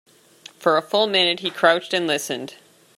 For a full minute he crouched and listened.